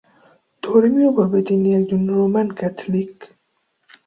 ধর্মীয়ভাবে তিনি একজন Roman Catholic.